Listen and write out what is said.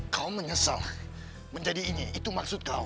kau menyesal menjadi ini itu maksud kau